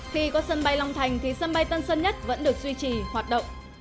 khi có sân bay long thành thì sân bay tân sơn nhất vẫn được duy trì hoạt động